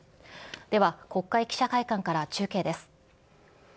では国会記者会館から中継です。